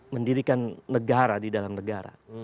mendirikan negara di dalam negara